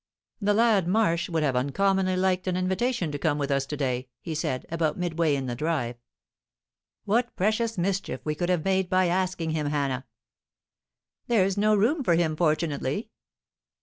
"The lad Marsh would have uncommonly liked an invitation to come with us to day," he said, about midway in the drive. "What precious mischief we could have made by asking him, Hannah!" "There's no room for him, fortunately."